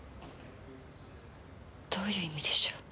どういう意味でしょう？